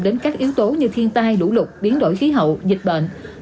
đến các yếu tố như thiên tai lũ lụt biến đổi khí hậu dịch bệnh